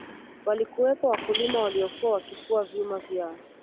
walikuwepo wakulima waliyokuwa wakifua vyuma vyao